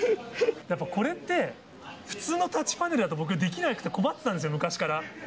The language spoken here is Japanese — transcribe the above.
やっぱ、これって、普通のタッチパネルでは僕できなくて、困ってたんですよ、昔から。